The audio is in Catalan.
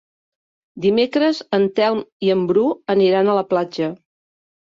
Dimecres en Telm i en Bru aniran a la platja.